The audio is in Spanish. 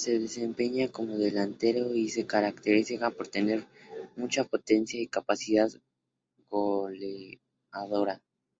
Se desempeña como delantero y se caracteriza por tener mucha potencia y capacidad goleadora.